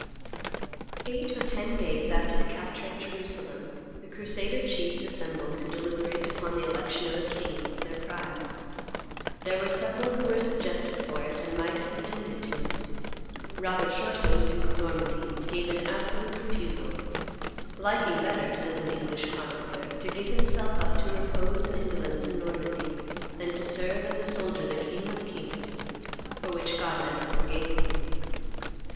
Eight or ten days after the capture of Jerusalem, the crusader chiefs assembled to deliberate upon the election of a king of their prize. There were several who were suggested for it and might have pretended to it. Robert Shorthose, duke of Normandy, gave an absolute refusal, "liking better," says an English chronicler, "to give himself up to repose and indolence in Normandy than to serve, as a soldier, the King of kings: for which God never forgave him."